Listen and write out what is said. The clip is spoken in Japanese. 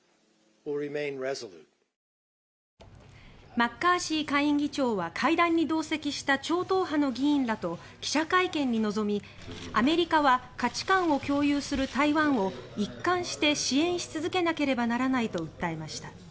マッカーシー下院議長は会談に同席した超党派の議員らと記者会見に臨みアメリカは価値観を共有する台湾を一貫して支援し続けなければならないと訴えました。